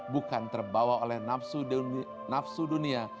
bukan terbawa oleh nafsu dunia